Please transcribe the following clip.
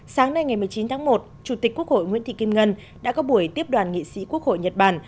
sáng nay ngày một mươi chín tháng một chủ tịch quốc hội nguyễn thị kim ngân đã có buổi tiếp đoàn nghị sĩ quốc hội nhật bản